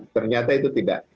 ternyata itu tidak